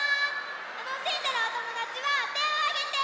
たのしんでるおともだちはてをあげて！